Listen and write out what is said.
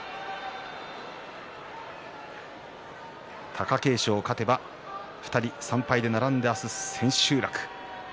貴景勝勝てば２人３敗で並んで明日千秋楽。